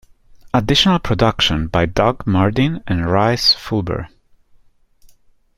Additional production by Doug Martin and Rhys Fulber.